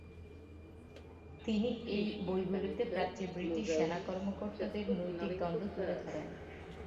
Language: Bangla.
তিনি এই বইগুলোতে প্রাচ্যে ব্রিটিশ সেনা কর্মকর্তাদের নৈতিক দ্বন্দ্ব তুলে ধরেন।